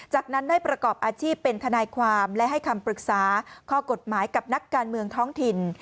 จากนั้นได้ประกอบอาชีพเป็นทนายความและให้คำปรึกษาข้อกฎหมายกับนักการเมืองท้องถิ่น